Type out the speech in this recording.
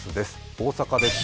大阪です。